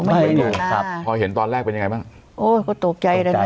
ไม่อยู่ครับพอเห็นตอนแรกเป็นยังไงบ้างโอ้ยก็ตกใจเลยนะ